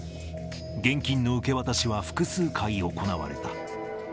現金の受け渡しは複数回行われた。